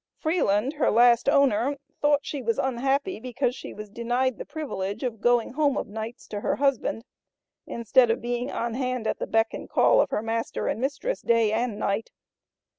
Freeland, her last owner, thought she was unhappy because she was denied the privilege of going home of nights to her husband, instead of being on hand at the beck and call of her master and mistress day and night.